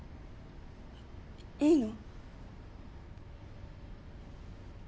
いいの？